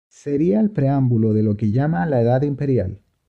Sería el preámbulo de lo que llama la Edad Imperial.